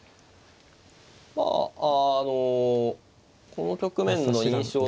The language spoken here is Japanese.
まああのこの局面の印象としては。